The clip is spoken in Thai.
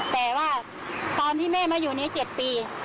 แต่ว่าตอนที่แม่มาอยู่นี้๗ปี